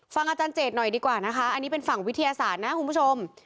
อาจารย์เจตหน่อยดีกว่านะคะอันนี้เป็นฝั่งวิทยาศาสตร์นะคุณผู้ชม